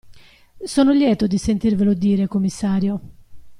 Sono lieto di sentirvelo dire, commissario.